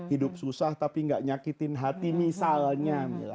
hidup susah tapi gak nyakitin hati misalnya